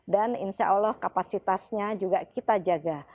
dan insya allah kapasitasnya juga kita jaga